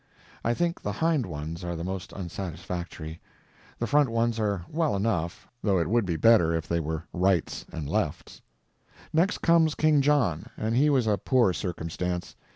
I think the hind ones are the most unsatisfactory; the front ones are well enough, though it would be better if they were rights and lefts. Next comes King John, and he was a poor circumstance.